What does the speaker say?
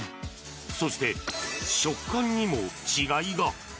そして、食感にも違いが。